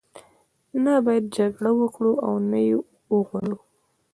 نه باید جګړه وکړو او نه یې وغواړو.